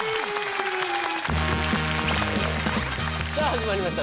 さあ始まりました